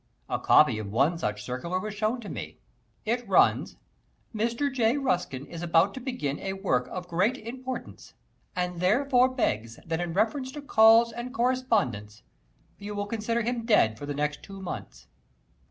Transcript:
A copy of one such circular was shown to me. It runs, "Mr. J. Ruskin is about to begin a work of great importance, and therefore begs that in reference to calls and correspondence you will consider him dead for the next two months."